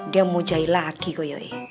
dia mau jahit lagi kaya iya